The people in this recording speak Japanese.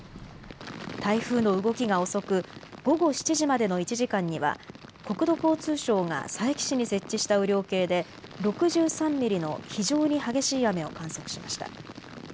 台風の動きが遅く、午後７時までの１時間には国土交通省が佐伯市に設置した雨量計で６３ミリの非常に激しい雨を観測しました。